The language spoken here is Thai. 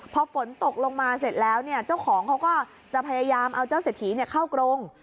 พอฝนตกลงมาเสร็จแล้วเจ้าของเขาก็จะพยายามเอาเจ้าเศรษฐีเข้ากรง